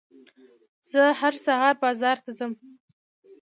زه هر سهار بازار ته ځم.